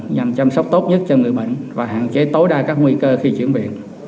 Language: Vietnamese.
nhằm chăm sóc tốt nhất cho người bệnh và hạn chế tối đa các nguy cơ khi chuyển viện